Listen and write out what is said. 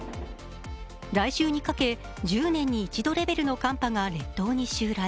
来週にかけ１０年に一度レベルの寒波が列島に襲来。